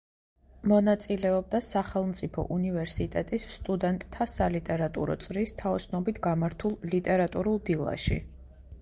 მონაწილეობდა სახელმწიფო უნივერსიტეტის სტუდენტთა სალიტერატურო წრის თაოსნობით გამართულ ლიტერატურულ დილაში.